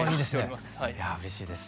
いやうれしいです。